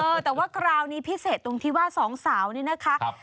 เออแต่ว่าคราวนี้พิเศษตรงที่ว่าสองสาวนี่นะคะ